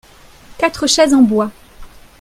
quatre chaises en bois.